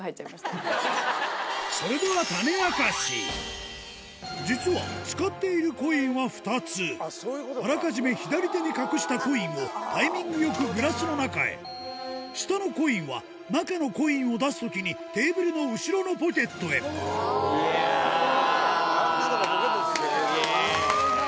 それでは実はあらかじめ左手に隠したコインをタイミングよくグラスの中へ下のコインは中のコインを出すときにテーブルの後ろのポケットへいやぁ！